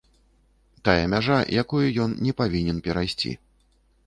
Тая мяжа, якую ён не павінен перайсці.